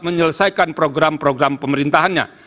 menyelesaikan program program pemerintahannya